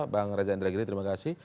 bang reza indragiri terima kasih